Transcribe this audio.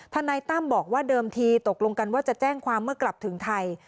นายตั้มบอกว่าเดิมทีตกลงกันว่าจะแจ้งความเมื่อกลับถึงไทย